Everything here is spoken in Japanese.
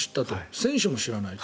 選手も知らないと。